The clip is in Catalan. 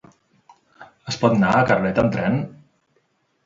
Es pot anar a Carlet amb tren?